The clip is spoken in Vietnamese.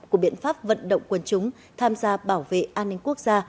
của biện pháp vận động quân chúng tham gia bảo vệ an ninh quốc gia